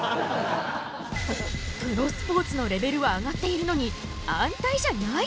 プロスポーツのレベルは上がっているのに安泰じゃない？